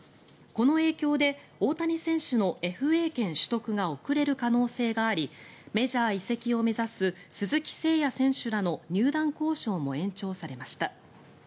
この影響で大谷選手のＦＡ権取得が遅れる可能性がありメジャー移籍を目指す鈴木誠也選手らの入団交渉も延長されました。